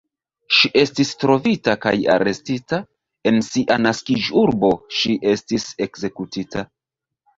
Ŝi estis trovita kaj arestita, en sia naskiĝurbo ŝi estis ekzekutita.